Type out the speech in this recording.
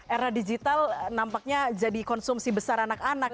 era digital nampaknya jadi konsumsi besar anak anak